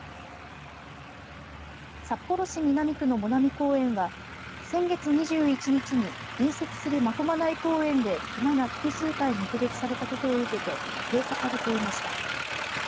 札幌市南区の藻南公園は先月２１日に隣接する真駒内公園で熊が複数回目撃されたことを受けて閉鎖されていました。